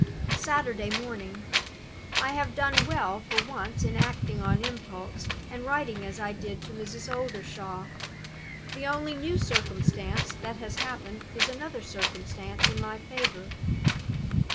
"Saturday morning. I have done well for once in acting on impulse, and writing as I did to Mrs. Oldershaw. The only new circumstance that has happened is another circumstance in my favor!